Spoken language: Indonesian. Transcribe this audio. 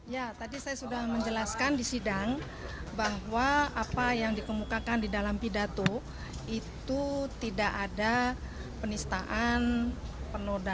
ya tadi saya sudah menjelaskan di sidang bahwa apa yang dikemukakan di dalam pidato itu tidak ada penistaan penodaan